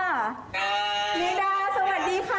สวัสดีค่ะ